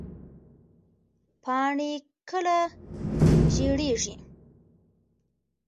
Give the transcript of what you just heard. پاڼې کله ژیړیږي؟